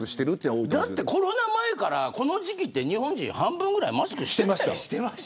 だってコロナ前からこの時期は日本人半分ぐらいマスクしてましたよ。